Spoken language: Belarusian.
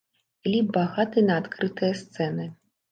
Кліп багаты на адкрытыя сцэны.